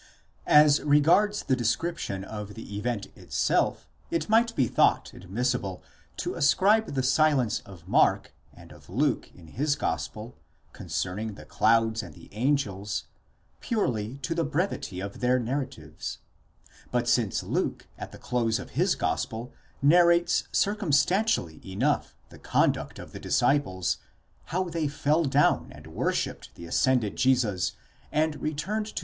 : As regards the description of the event itself, it might be thought admis sible to ascribe the silence of Mark, and of Luke in his gospel, concerning the cloud and the angels, purely to the brevity of their narratives ; but since Luke at the close of his gospel narrates circumstantially enough the conduct of the disciples—how they fell down and worshipped the ascended Jesus, and re turned to.